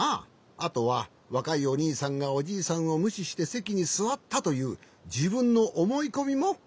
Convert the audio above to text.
あとはわかいおにいさんがおじいさんをむししてせきにすわったというじぶんのおもいこみもいちめんじゃね。